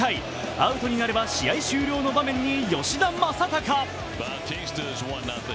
アウトになれば試合終了の場面に吉田正尚。